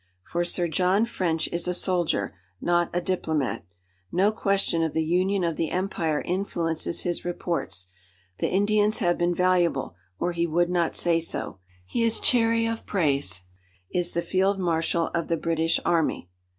For Sir John French is a soldier, not a diplomat. No question of the union of the Empire influences his reports. The Indians have been valuable, or he would not say so. He is chary of praise, is the Field Marshal of the British Army.